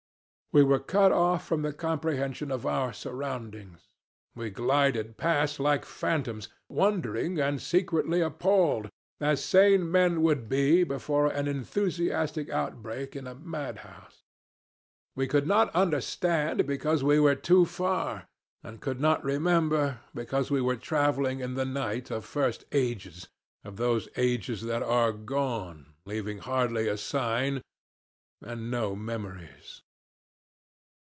We were cut off from the comprehension of our surroundings; we glided past like phantoms, wondering and secretly appalled, as sane men would be before an enthusiastic outbreak in a madhouse. We could not understand, because we were too far and could not remember, because we were traveling in the night of first ages, of those ages that are gone, leaving hardly a sign and no memories.